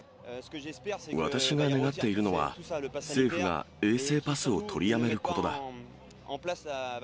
私が願っているのは、政府が衛生パスを取りやめることだ。